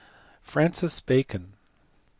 Francis Bacon*.